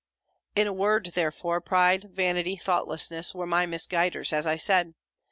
"In a word, therefore, pride, vanity, thoughtlessness, were my misguiders, as I said.